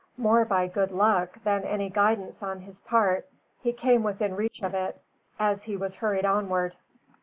More by good luck, than any guidance on his part, he came within reach of it as he was hurried onward.